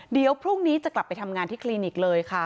เดี๋ยวพรุ่งนี้จะกลับไปทำงานที่คลินิกเลยค่ะ